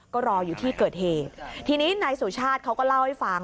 ก็รออยู่ที่เกิดเหตุทีนี้นายสุชาติเขาก็เล่าให้ฟัง